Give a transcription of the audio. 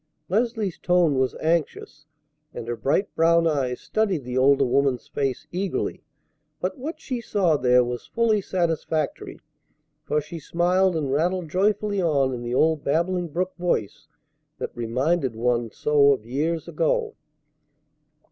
Lesley's tone was anxious, and her bright brown eyes studied the older woman's face eagerly; but what she saw there was fully satisfactory, for she smiled, and rattled joyfully on in the old babbling brook voice that reminded one so of years ago.